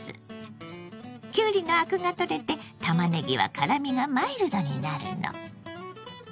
きゅうりのアクが取れてたまねぎは辛みがマイルドになるの。